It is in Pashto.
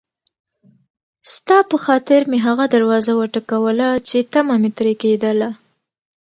ستا په خاطر مې هغه دروازه وټکوله چې طمعه مې ترې کېدله.